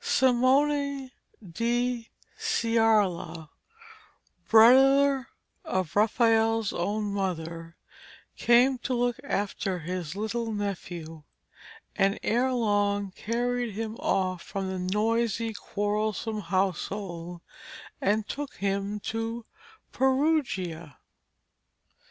Simone di Ciarla, brother of Raphael's own mother, came to look after his little nephew, and ere long carried him off from the noisy, quarrelsome household, and took him to Perugia.